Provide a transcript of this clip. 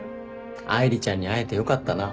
愛梨ちゃんに会えてよかったな。